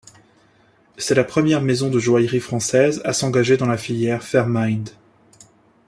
C’est la première maison de joaillerie française à s’engager dans la filière Fairmined.